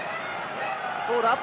どうだ？